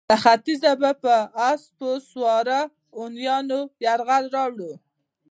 له ختیځه به پر اسونو سپاره هونیانو یرغل راووړ.